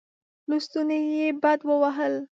لستوڼې يې بډ ووهل.